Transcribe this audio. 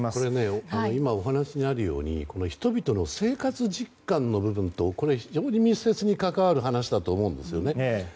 今お話にあるように人々の生活実感の部分と非常に密接に関わる話だと思うんですよね。